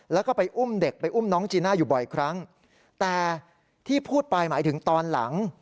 แล้วก็ไปอุ้มเด็กไปอุ้มน้องจีน่าอยู่บ่อยครั้งแต่ที่พูดไปหมายถึงตอนหลัง